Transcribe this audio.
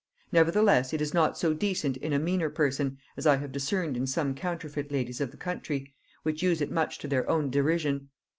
Nevertheless it is not so decent in a meaner person, as I have discerned in some counterfeit ladies of the country, which use it much to their own derision.